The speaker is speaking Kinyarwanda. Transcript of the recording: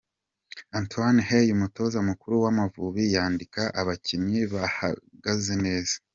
Antoine Hey umutoza mukuru w'Amavubi yandika abakinnyi bahagaze neza.